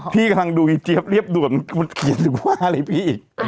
พี่กำลังดูอีเจี๊ยบเรียบด่วนมันเขียนหรือว่าอะไรพี่อีก